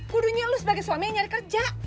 kudunya lo sebagai suami yang nyari kerja